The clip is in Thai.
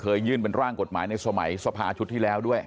ยื่นเป็นร่างกฎหมายในสมัยสภาชุดที่แล้วด้วย